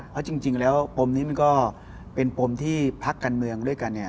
เพราะจริงแล้วในพรุ่งนี้ผมที่พักกันเมืองด้วยกัน